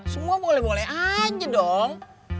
semua boleh boleh aja dong